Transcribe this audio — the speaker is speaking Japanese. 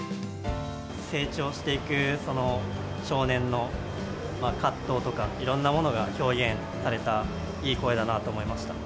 成長していく少年の葛藤とか、いろんなものが表現された、いい声だなと思いました。